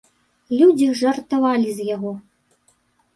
Людзі жартавалі з яго.